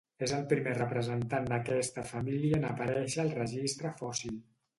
És el primer representant d'aquesta família en aparèixer al registre fòssil.